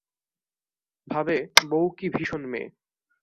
ভাবে, বউ কী ভীষণ মেয়ে।